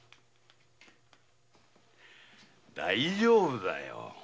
大丈夫だよ。